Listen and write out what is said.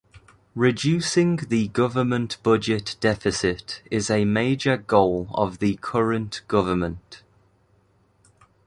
Reducing the government budget deficit is a major goal of the current government.